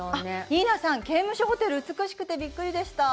ニーナさん、刑務所ホテル、美しくてびっくりでした。